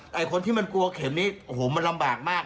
แต่คนที่มันกลัวเข็มนี้โอ้โหมันลำบากมาก